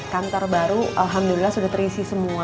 kantor baru alhamdulillah sudah terisi semua